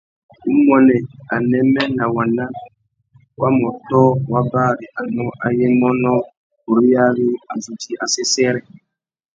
Umuênê, anêmê nà waná wa mà ôtō wa bari anô ayê mônô buriyari a zu djï assêssêrê.